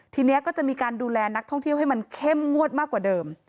ทีนี้ก็จะมีการดูแลนักท่องเที่ยวให้มันเข้มงวดมากกว่าเดิม